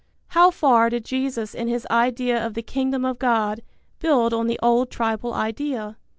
How far did Jesus in his idea of the Kingdom of God build on the old tribal idea?